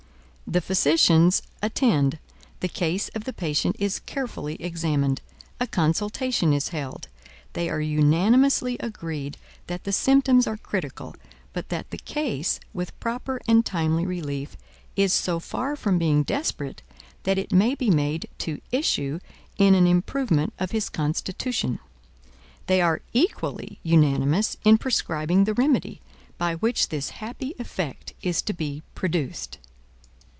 The physicians attend; the case of the patient is carefully examined; a consultation is held; they are unanimously agreed that the symptoms are critical, but that the case, with proper and timely relief, is so far from being desperate, that it may be made to issue in an improvement of his constitution. They are equally unanimous in prescribing the remedy, by which this happy effect is to be produced.